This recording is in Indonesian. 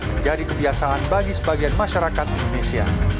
menjadi kebiasaan bagi sebagian masyarakat indonesia